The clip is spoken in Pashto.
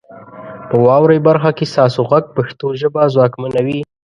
په واورئ برخه کې ستاسو غږ پښتو ژبه ځواکمنوي.